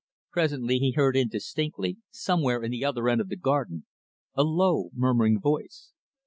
Presently, he heard indistinctly, somewhere in the other end of the garden, a low murmuring voice.